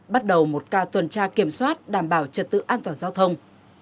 bắt đầu một ca tuần tra kiểm soát đảm bảo trật tự an toàn giao thông